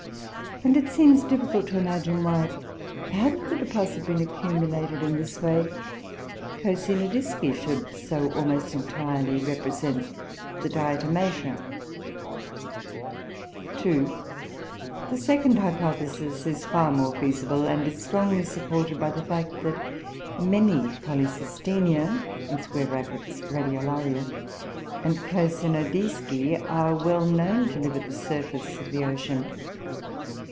And it seems difficult to imagine why, had the deposit been accumulated in this way, Coscinodisci should so almost entirely represent the Diatomaceoe. "2. The second hypothesis is far more feasible, and is strongly supported by the fact that many Polycistineoe [Radiolaria] and Coscinodisci are well known to live at the surface of the ocean.